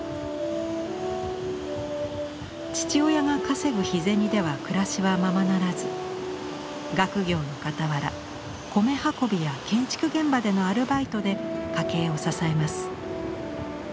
父親が稼ぐ日銭では暮らしはままならず学業のかたわら米運びや建築現場でのアルバイトで家計を支えます。